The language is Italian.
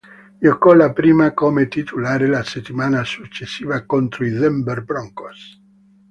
Giocò la prima come titolare la settimana successiva contro i Denver Broncos.